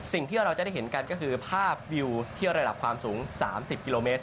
สิ่งที่เราจะได้เห็นกันก็คือภาพวิวที่ระดับความสูง๓๐กิโลเมตร